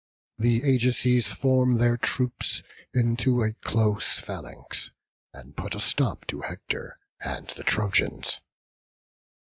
The Ajaces form their troops into a close phalanx, and put a stop to Hector and the Trojans.